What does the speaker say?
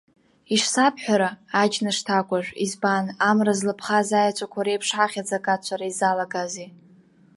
Ишсабҳәара, аџьныш ҭакәажә, избан, амра злаԥхаз аеҵәақәа реиԥш ҳахьӡ акацәара изалагазеи?